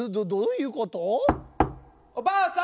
おばあさん